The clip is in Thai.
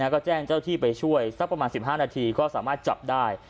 ก็แจ้งเจ้าที่ไปช่วยสักประมาณ๑๕นาทีก็สามารถจับได้